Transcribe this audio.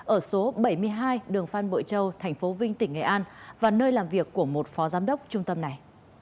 ở số bảy mươi hai đường phan bội châu thành phố vinh tỉnh nghệ an và nơi làm việc của một phó giám đốc trung tâm này